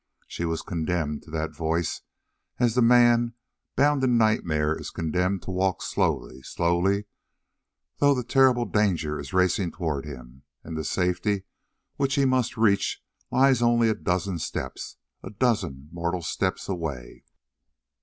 She was condemned to that voice as the man bound in nightmare is condemned to walk slowly, slowly, though the terrible danger is racing toward him, and the safety which he must reach lies only a dozen steps, a dozen mortal steps away.